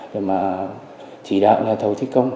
để mà chỉ đạo nhà thầu thi công